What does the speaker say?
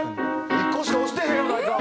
１個しか押してへんやないか！